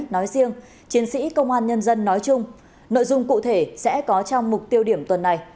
nói riêng chiến sĩ công an nhân dân nói chung nội dung cụ thể sẽ có trong mục tiêu điểm tuần này